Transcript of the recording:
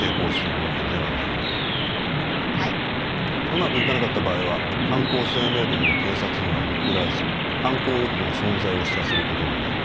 うまくいかなかった場合は犯行声明文を警察には送らず犯行予告の存在を知らせることもない。